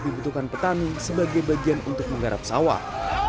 dibutuhkan petani sebagai bagian untuk menggarap sawah